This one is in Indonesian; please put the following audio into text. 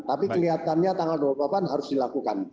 tapi kelihatannya tanggal dua puluh delapan harus dilakukan